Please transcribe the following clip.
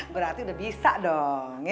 berarti udah bisa dong